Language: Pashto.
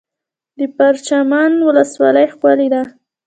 د پرچمن ولسوالۍ ښکلې ده